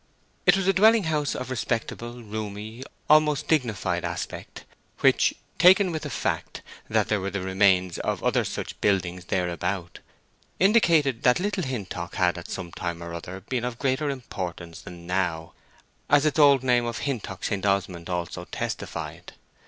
It was a dwelling house of respectable, roomy, almost dignified aspect; which, taken with the fact that there were the remains of other such buildings thereabout, indicated that Little Hintock had at some time or other been of greater importance than now, as its old name of Hintock St. Osmond also testified.